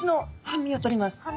半身を取ります。